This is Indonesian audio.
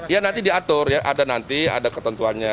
ya nanti diatur ya ada nanti ada ketentuannya